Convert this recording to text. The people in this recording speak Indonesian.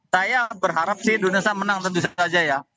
saya berharap sih indonesia menang tentu saja ya